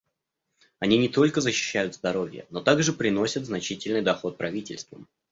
Они не только защищают здоровье, но также приносят значительный доход правительствам.